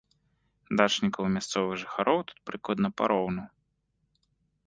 Дачнікаў і мясцовых жыхароў тут прыкладна пароўну.